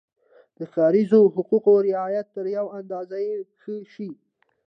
د ښاریزو حقوقو رعایت تر یوې اندازې ښه شي.